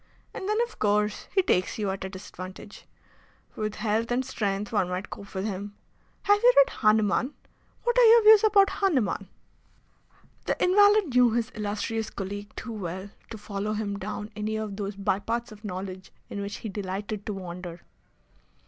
And then, of course, he takes you at a disadvantage. With health and strength one might cope with him. Have you read Hahnemann? What are your views upon Hahnemann?" The invalid knew his illustrious colleague too well to follow him down any of those by paths of knowledge in which he delighted to wander.